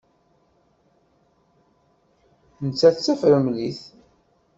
Nettat d tafremlit.